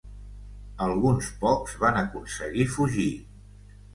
Alguns pocs van aconseguir fugir.